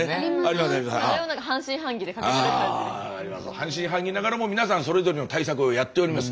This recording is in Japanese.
半信半疑ながらも皆さんそれぞれの対策をやっております。